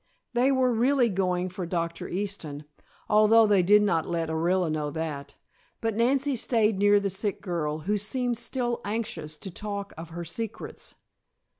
They were really going for Dr. Easton, although they did not let Orilla know that. But Nancy stayed near the sick girl, who seemed still anxious to talk of her secrets.